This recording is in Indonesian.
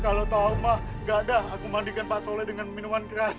kalau tahu mak gak ada aku mandikan pas oleh dengan minuman keras